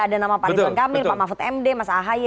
ada nama pak ridwan kamil pak mahfud md mas ahy